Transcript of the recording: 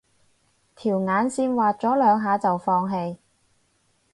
條眼線畫咗兩下就放棄